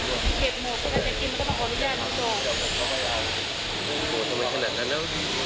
โอเคนี่เธอทำไม่รู้หลายก็นำคุณให้ง่ายสิค่ะ